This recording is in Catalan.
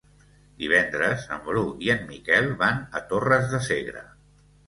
Divendres en Bru i en Miquel van a Torres de Segre.